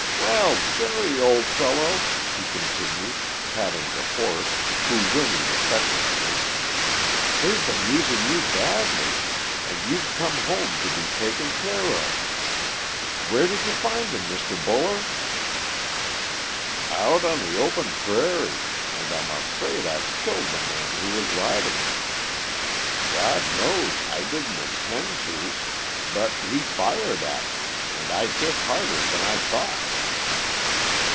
Well, Jerry, old fellow," he continued, patting the horse, who whinnied affectionately, "they've been using you badly, and you've come home to be taken care of. Where did you find him, Mr. Buller?" "Out on the prairie, and I'm afraid I've killed the man who was riding him. God knows, I didn't intend to, but he fired at me, and I hit harder than I thought."